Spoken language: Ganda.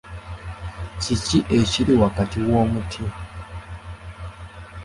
Kiki ekiri wakati wa omuti?